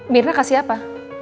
mirna kasih apa